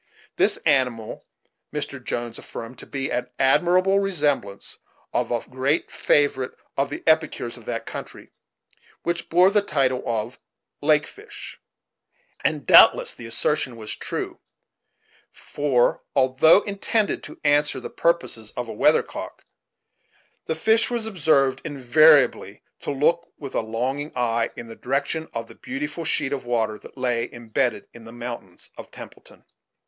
This animal Mr. Jones affirmed to be an admirable resemblance of a great favorite of the epicures in that country, which bore the title of "lake fish," and doubtless the assertion was true; for, although intended to answer the purposes of a weathercock, the fish was observed invariably to look with a longing eye in the direction of the beautiful sheet of water that lay imbedded in the mountains of Templeton.